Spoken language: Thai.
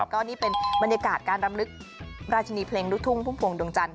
ก็นี่เป็นบรรยากาศการรำลึกราชินีเพลงลูกทุ่งพุ่มพวงดวงจันท